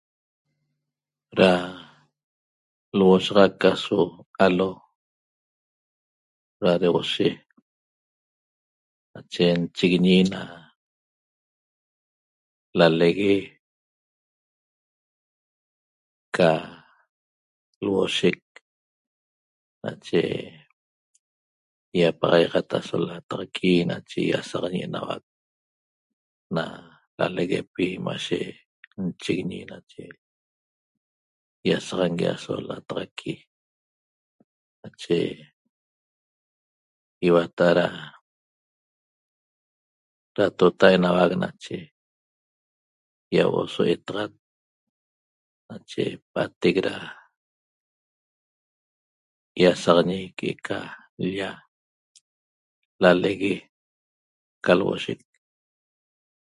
Da lhuosaxac aso alo ra rhuoshe nache nchiguiñi na lalegue ca lhuoshec nache iapaxaiaxat aso lataxaqui nache iasaxangui na laleguepi mashe nchiguiñi iasaxangui aso lataxaqui nache ihuata'a ra ratota enauac nache iahuo'o so etaxat nache pa'atec ra iasaxañi que'eca l-lla lalegue ca lhuoshec